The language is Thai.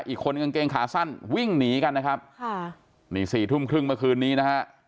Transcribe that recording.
อีกคนกางเกงขาสั้นวิ่งหนีกันนะครับค่ะนี่สี่ทุ่มครึ่งเมื่อคืนนี้นะฮะ